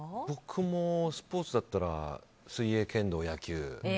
僕もスポーツだったら水泳、剣道、野球。